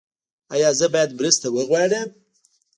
ایا زه باید مرسته وغواړم؟